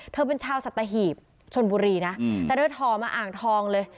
เธอเป็นชาวสัตหีบชนบุรีนะแต่เธอห่อมาอ่างทองเลย